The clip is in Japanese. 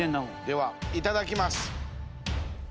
ではいただきます。